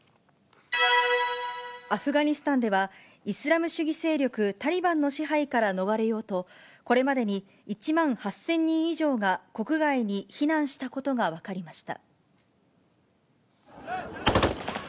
アフガニスタンでは、イスラム主義勢力タリバンの支配から逃れようと、これまでに１万８０００人以上が国外に避難したことが分かりました。